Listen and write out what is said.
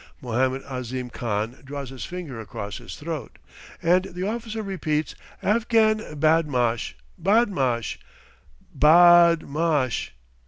Mohammed Ahzim Khan draws his finger across his throat, and the officer repeats "Afghan badmash, badmash, b a d m a s h."